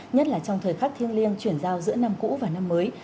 nhất là trong thời khắc thiêng liêng chuyển giao giữa năm cũ và năm mới